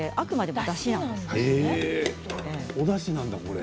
おだしなんだ。